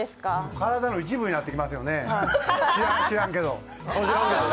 体の一部になってきますよね、知らんけど。